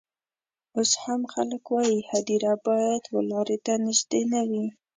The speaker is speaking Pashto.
اوس هم خلک وايي هدیره باید و لاري ته نژدې نه وي.